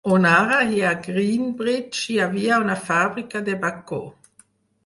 On ara hi ha Greenbridge hi havia una fàbrica de bacó.